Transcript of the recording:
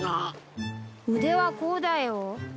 腕はこうだよ。